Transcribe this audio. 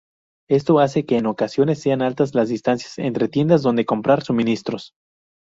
Esto hace que, en ocasiones, sean altas las distancias entre tiendas donde comprar suministros.